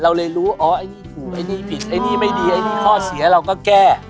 เลยรู้อ๋อไอ้นี่ถูกไอ้นี่ผิดไอ้นี่ไม่ดีไอ้นี่ข้อเสียเราก็แก้